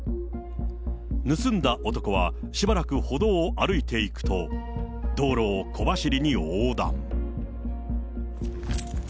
盗んだ男は、しばらく歩道を歩いていくと、道路を小走りに横断。